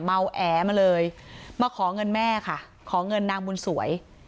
แอ๋มาเลยมาขอเงินแม่ค่ะขอเงินนางบุญสวย